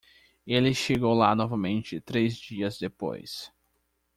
Ele chegou lá novamente três dias depois.